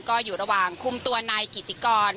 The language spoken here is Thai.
ก็อยู่ระหว่างคุมตัวนายกิติกร